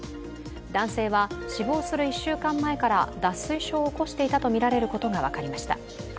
男性は死亡する１週間前から脱水症を起こしていたとみられることが分かりました。